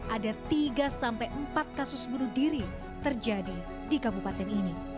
ada tiga sampai empat kasus bunuh diri terjadi di kabupaten ini